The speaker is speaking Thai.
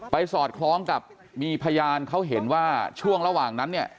สอดคล้องกับมีพยานเขาเห็นว่าช่วงระหว่างนั้นเนี่ย